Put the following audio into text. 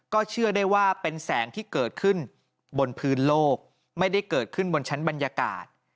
เชื่อได้ว่าเป็นแสงที่เกิดขึ้นบนพื้นโลกไม่ได้เกิดขึ้นบนชั้นบรรยากาศ